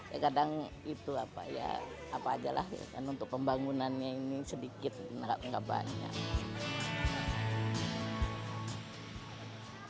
ya kadang itu apa ya apa aja lah kan untuk pembangunannya ini sedikit nggak banyak